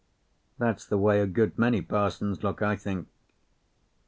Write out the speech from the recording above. That's the way a good many parsons look, I think.